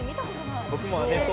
僕も。